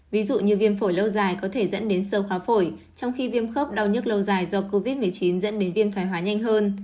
ví dụ như viêm phổi lâu dài có thể dẫn đến sâu khóa phổi trong khi viêm khớp đau nhức lâu dài do covid một mươi chín dẫn đến viêm phái hóa nhanh hơn